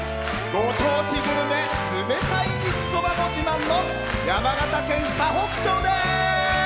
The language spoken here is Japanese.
ご当地グルメ冷たい肉そばも自慢の山形県河北町です！